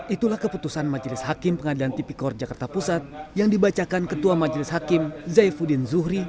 itulah keputusan majelis hakim pengadilan tipikor jakarta pusat yang dibacakan ketua majelis hakim zaifuddin zuhri